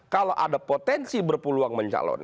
kalau ada potensi berpeluang mencalon